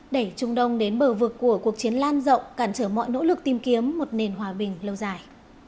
đẩy trung đông đến bờ vực của cuộc chiến lan rộng cản trở mọi nỗ lực tìm kiếm một nền hòa bình lâu dài